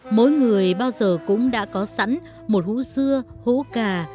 mỗi người bao giờ cũng đã có sẵn một hũ dưa hũ cà